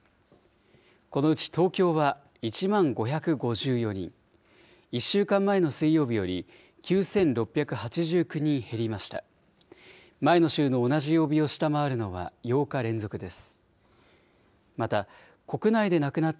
このうち東京は１万５５４人、１週間前の水曜日より９６８９人減りました。